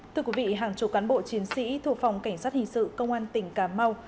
thưa quý vị hàng chục cán bộ chiến sĩ thuộc phòng cảnh sát hình sự công an tỉnh cà mau